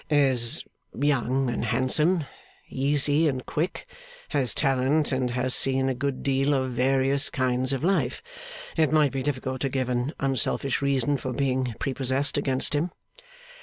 'Is young and handsome, easy and quick, has talent, and has seen a good deal of various kinds of life. It might be difficult to give an unselfish reason for being prepossessed against him.